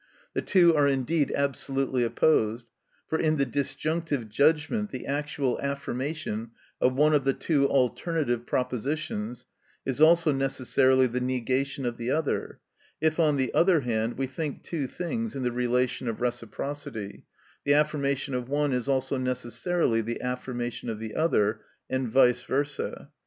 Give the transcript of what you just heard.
The two are indeed absolutely opposed, for in the disjunctive judgment the actual affirmation of one of the two alternative propositions is also necessarily the negation of the other; if, on the other hand, we think two things in the relation of reciprocity, the affirmation of one is also necessarily the affirmation of the other, and vice versa.